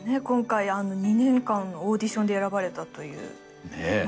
今回２年間のオーディションで選ばれたというねえ？